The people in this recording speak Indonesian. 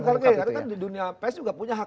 karena kan di dunia pes juga punya hak